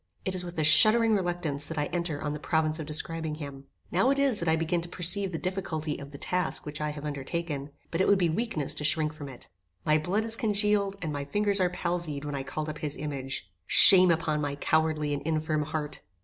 It is with a shuddering reluctance that I enter on the province of describing him. Now it is that I begin to perceive the difficulty of the task which I have undertaken; but it would be weakness to shrink from it. My blood is congealed: and my fingers are palsied when I call up his image. Shame upon my cowardly and infirm heart!